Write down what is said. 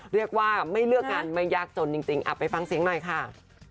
เรียกว่าไม่เลือกงานไม่ยากจนจริงไปฟังเสียงหน่อยค่ะ